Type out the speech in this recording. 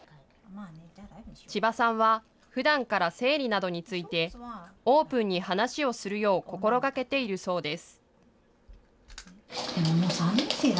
千葉さんは、ふだんから生理などについて、オープンに話をするよう心がけているそうです。